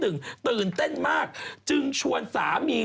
ตื่นตื่นเต้นมากจึงชวนสามี